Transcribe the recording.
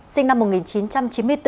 sinh năm một nghìn chín trăm chín mươi bốn